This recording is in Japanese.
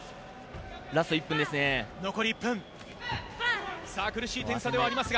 ラスト１分ですね。